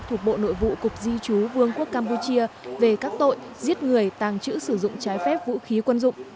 thuộc bộ nội vụ cục di chú vương quốc campuchia về các tội giết người tàng trữ sử dụng trái phép vũ khí quân dụng